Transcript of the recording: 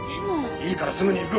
いいからすぐに行く。